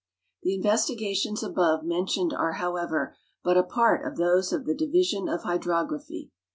The investigations above mentioned are, however, but a part of those of the Division of H}^drography.